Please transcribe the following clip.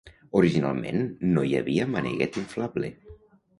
Originalment, no hi havia maneguet inflable.